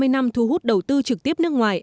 hai mươi năm thu hút đầu tư trực tiếp nước ngoài